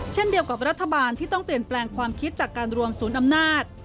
เช่นเดียวกับรัฐบาลที่ต้องเปลี่ยนแปลงความคิดจากการรวมศูนย์อำนาจ